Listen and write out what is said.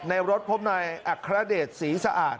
ในรถพร้อมนายอักฆระเด็ดสีสะอาด